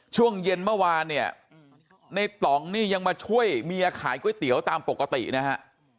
ช่วงเย็นเมื่อวานเนี่ยในต่องนี่ยังมาช่วยเมียขายก๋วยเตี๋ยวตามปกตินะฮะ